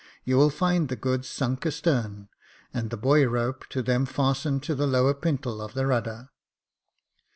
You will find the goods sunk astern, and the buoy rope to them fastened to the lower pintle of the rudder.